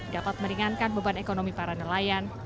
dapat meringankan beban ekonomi para nelayan